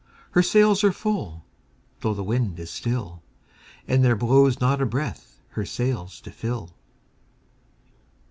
Her sails are full,—though the wind is still, And there blows not a breath her sails to fill!